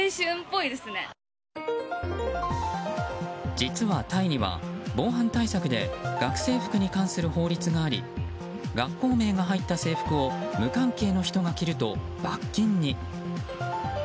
実は、タイには防犯対策で学生服に関する法律があり学校名が入った制服を無関係の人が着ると罰金に。